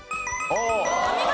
お見事！